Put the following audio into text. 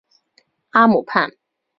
哈姆畔。